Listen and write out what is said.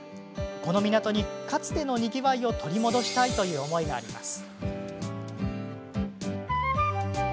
この港にかつてのにぎわいを取り戻したいという思いがあります。